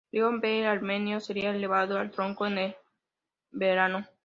León V el Armenio sería elevado al trono en el verano.